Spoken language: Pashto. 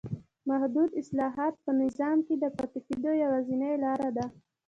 محدود اصلاحات په نظام کې د پاتې کېدو یوازینۍ لار ده.